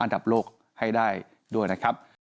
ขอบคุณครับ